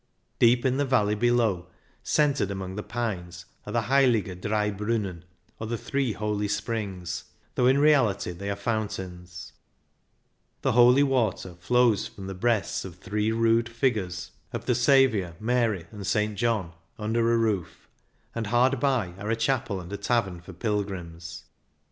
Deep in the valley below, centred among the pines, are the Heilige Drei Brunnen, or " Three Holy Springs," though in reality they are fountains. The " holy water " flows from the breasts of three rude figures of the THE THREE HOLY SPRINGS, STELVIO PASS. THE STELVIO 29 Saviour, Mary, and St. John, under a roof, and hard by are a chapel and a tavern for pilgrims.